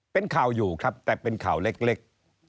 เป็นข่าวอยู่ครับแต่เป็นข่าวเล็ก